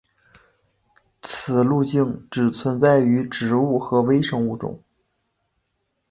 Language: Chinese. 此路径只存在于植物和微生物中。